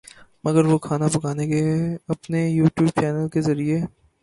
مگر وہ کھانا پکانے کے اپنے یو ٹیوب چینل کے ذریعے